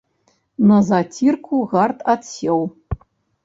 На зацірку гарт адсеў.